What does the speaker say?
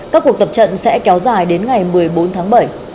các cuộc tập trận sẽ kéo dài đến ngày một mươi bốn tháng bảy